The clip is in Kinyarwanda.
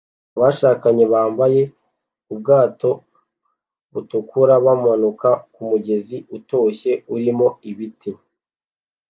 Abashakanye bambaye ubwato butukura bamanuka kumugezi utoshye urimo ibiti